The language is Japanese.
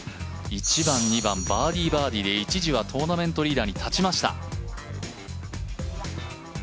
１番、２番バーディー、バーディーとなって一時はトーナメントリーダーに立ちました。